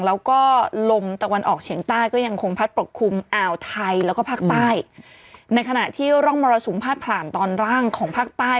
แล้วก็ลมตะวันออกเฉียงใต้ก็ยังคงพัดปกคลุมอ่าวไทยแล้วก็ภาคใต้ในขณะที่ร่องมรสุมพาดผ่านตอนล่างของภาคใต้